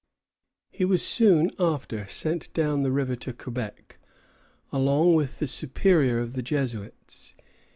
He was soon after sent down the river to Quebec along with the superior of the Jesuits.